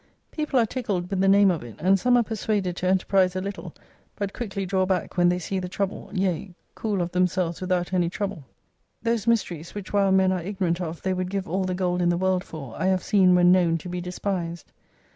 People are tickled with the name of it, and some are persuaded to enterprise a little, but quickly draw back when they see the trouble, yea, cool of themselves without any trouble. Those mysteries 248 which while men are ignorant of, they would give all the gold in the world for, I have seen when known to be despised.